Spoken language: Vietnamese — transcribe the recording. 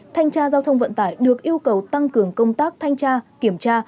thanh tra giao thông vận tải được yêu cầu tăng cường công tác thanh tra kiểm tra